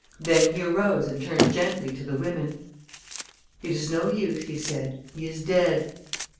Then he arose and turned gently to the women. "It is no use," he said. "He is dead."